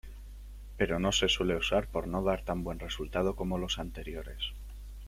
Pero no se suele usar por no dar tan buen resultado como los anteriores.